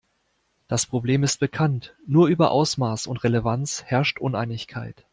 Das Problem ist bekannt, nur über Ausmaß und Relevanz herrscht Uneinigkeit.